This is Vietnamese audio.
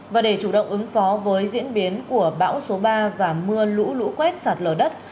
và để chủ động ứng phó với diễn biến của bão số ba và mưa lũ lũ quét sạt lở đất